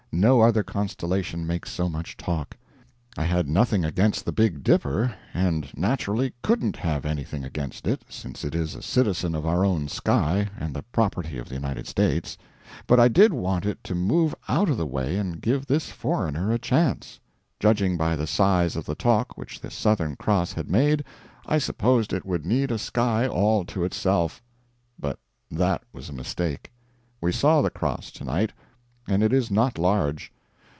No other constellation makes so much talk. I had nothing against the Big Dipper and naturally couldn't have anything against it, since it is a citizen of our own sky, and the property of the United States but I did want it to move out of the way and give this foreigner a chance. Judging by the size of the talk which the Southern Cross had made, I supposed it would need a sky all to itself. But that was a mistake. We saw the Cross to night, and it is not large.